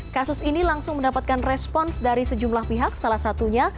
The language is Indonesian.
kasus ini langsung mendapatkan respons dari sejumlah pihak salah satunya